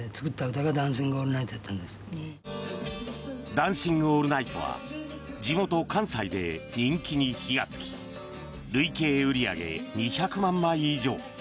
「ダンシング・オールナイト」は地元・関西で人気に火がつき累計売り上げ２００万枚以上。